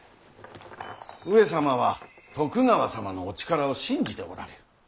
上様は徳川様のお力を信じておられる。